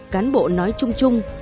cán bộ nói chung chung